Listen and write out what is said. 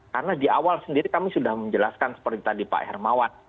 karena diawal sendiri kami sudah menjelaskan seperti tadi pak hermawan